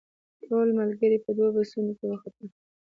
ټول ملګري په دوو بسونو کې وختل.